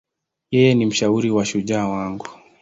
Yeye ni mshauri na shujaa wangu.